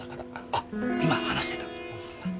あっ今話してた！